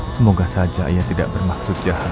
semoga saja ia tidak bermaksud jahat